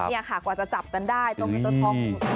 นี่ค่ะกว่าจะจับกันได้ตัวเงินตัวทอง